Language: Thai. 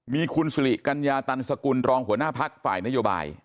มีคุณสุริกัญญาตันสกุลรองหัวหน้าพักฝ่ายนโยบาย